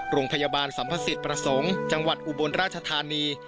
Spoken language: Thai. โรงพยาบาลสัมภสิทธิ์ประสงค์จังหวัดอุบลราชธานี